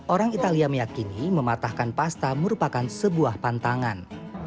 orang italia meyakini mematahkan pasta merupakan sebuah pantangan